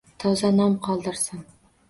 Toza nom qoldirsin –